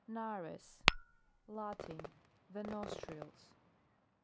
WARES. Latin. The nostrils.